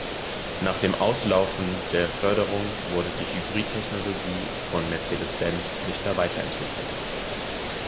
Nach dem Auslaufen der Förderung wurde die Hybrid-Technologie von Mercedes-Benz nicht mehr weiterentwickelt.